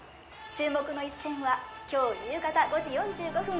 注目の一戦は今日夕方５時４５分